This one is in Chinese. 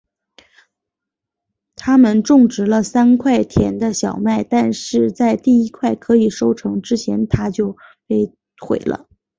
他们种植了三块田的小麦但是在第一块可以收成之前它就被毁了。